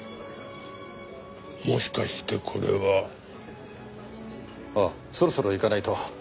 もしかしてこれは。あっそろそろ行かないと。